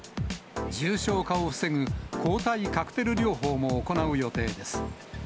重症化を防ぐ抗体カクテル療法も行う予定です。